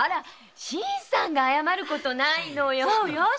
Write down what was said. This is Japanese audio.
新さんが謝ることないのよ。